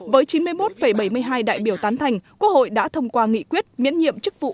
với chín mươi một bảy mươi hai đại biểu tán thành quốc hội đã thông qua nghị quyết miễn nhiệm chức vụ